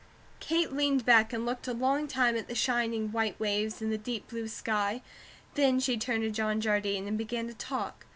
Kate leaned back and looked a long time at the shining white waves and the deep blue sky, then she turned to John Jardine, and began to talk.